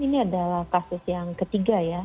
ini adalah kasus yang ketiga ya